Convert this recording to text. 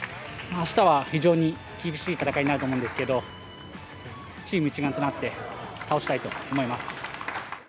あしたは非常に厳しい戦いになると思うんですけど、チーム一丸となって倒したいと思います。